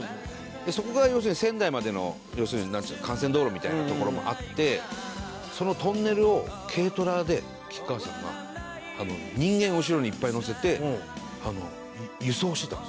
そこが要するに仙台までの要するに幹線道路みたいな所もあってそのトンネルを軽トラで吉川さんが人間を後ろにいっぱい乗せて輸送してたんですずっと。